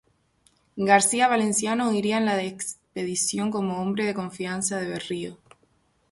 García Valenciano iría en la expedición como hombre de confianza de Berrío.